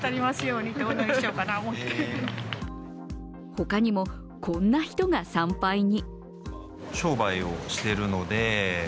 他にも、こんな人が参拝に。